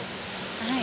はい。